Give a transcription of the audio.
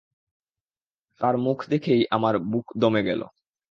তার মুখ দেখেই আমার বুক দমে গেল।